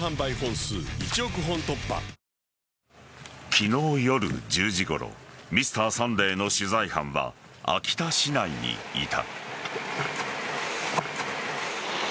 昨日夜１０時ごろ「Ｍｒ．サンデー」の取材班は秋田市内にいた。